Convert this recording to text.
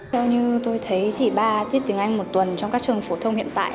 theo như tôi thấy thì ba tiết tiếng anh một tuần trong các trường phổ thông hiện tại